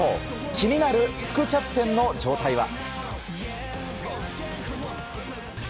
気になる副キャプテンの状態は？